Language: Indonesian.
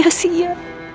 semua itu sia sia